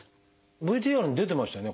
ＶＴＲに出てましたよね